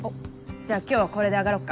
じゃあ今日はこれで上がろっか。